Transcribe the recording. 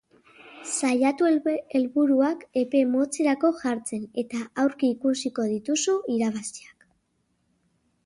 Saiatu helburuak epe motzerako jartzen eta aurki ikusiko dituzu irabaziak.